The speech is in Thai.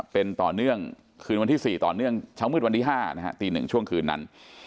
เป็นต่อเนื่องคืนวันที่๔ต่อเนื่องเช้ามืดวันที่๕นะฮะตี๑ช่วงคืนนั้น